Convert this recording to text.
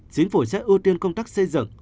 chính phủ sẽ ưu tiên công tác xây dựng